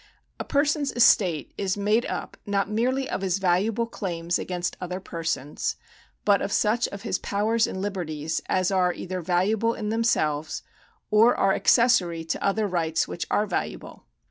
A person's estate is made up not merely of his valuable claims against other persons, but of such of his powers and liberties, as are either valuable in themselves, or are accessory to other rights which are valuable.